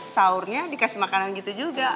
saut saurnya dikasih makanan gitu juga